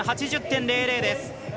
８０．００です。